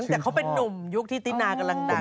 เพราะว่าเป็นรักดั้งเดิม